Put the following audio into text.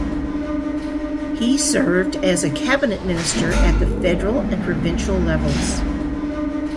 He served as a cabinet minister at the federal and provincial levels.